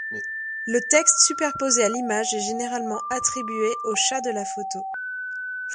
Le texte superposé à l'image est généralement attribué au chat de la photo.